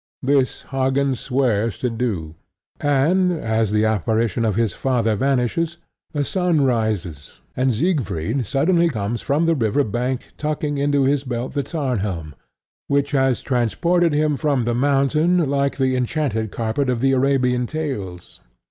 This Hagen swears to do; and as the apparition of his father vanishes, the sun rises and Siegfried suddenly comes from the river bank tucking into his belt the Tarnhelm, which has transported him from the mountain like the enchanted carpet of the Arabian tales.